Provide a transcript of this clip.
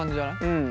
うん。